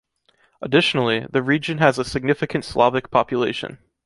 Additionally, the region has a significant Slavic population.